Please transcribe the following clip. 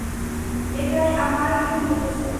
এটাই আমার আংকেলকে মেরেছে।